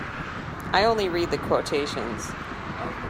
I only read the quotations.